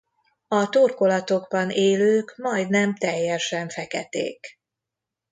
A torkolatokban élők majdnem teljesen feketék.